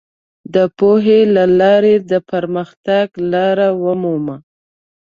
د پوهې له لارې د پرمختګ لار ومومو.